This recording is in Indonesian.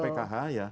bagi pkh ya